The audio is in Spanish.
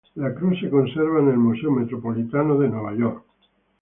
La cruz se conserva en el Museo Metropolitano de Nueva York.